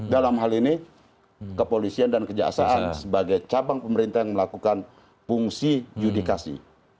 dalam hal ini kepolisian dan kejaksaan sebagai cabang pemerintah yang melakukan fungsi yudikasi